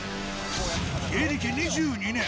芸歴２２年。